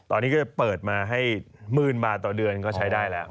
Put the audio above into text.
ตอนนี้ก็จะเปิดมาให้หมื่นบาทต่อเดือนก็ใช้ได้แล้ว